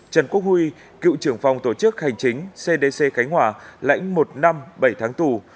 trần quốc huy cựu trưởng phòng tổ chức hành chính cdc khánh hòa lãnh một năm bảy tháng tù